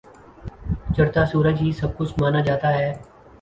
چڑھتا سورج ہی سب کچھ مانا جاتا ہے۔